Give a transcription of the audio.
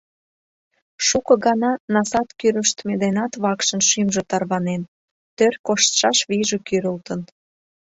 Шуко гана насат кӱрыштмӧ денат вакшын шӱмжӧ тарванен, тӧр коштшаш вийже кӱрылтын.